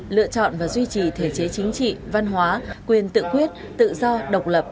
lựa chọn và duy trì thể chế chính trị văn hóa quyền tự quyết tự do độc lập